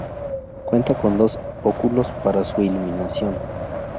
Cuenta con dos óculos para su iluminación.